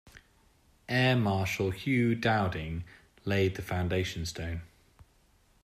Air Marshal Hugh Dowding laid the foundation stone.